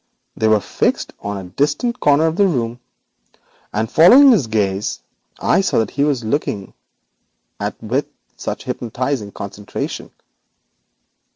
They were fixed on a distant corner of the room, and following his gaze I saw what he was staring at with such hypnotising concentration.